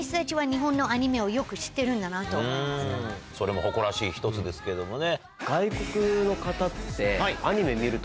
それも誇らしい１つですけどもね。